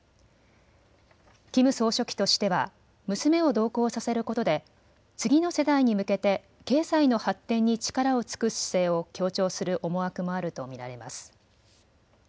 キム総書記としては娘を同行させることで次の世代に向けて経済の発展に力を尽くす姿勢を強調する思惑もあると見られます。